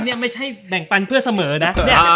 นี่ไม่ใช่แบ่งปันเพื่อเสมอนะ